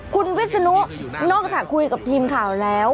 คุณวิศนุนอกจากคุยกับทีมข่าวแล้ว